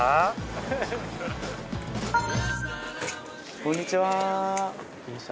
こんにちは。